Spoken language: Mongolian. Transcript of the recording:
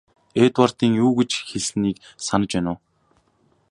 Эдвардын юу гэж хэлснийг санаж байна уу?